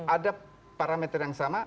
ada parameter yang sama